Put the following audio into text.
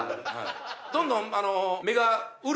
どんどん。